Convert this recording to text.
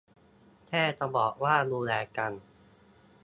แค่จะบอกว่า ดูแลกัน